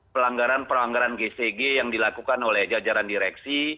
pelanggaran pelanggaran gcg yang dilakukan oleh jajaran direksi